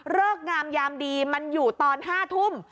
งามยามดีมันอยู่ตอน๕ทุ่ม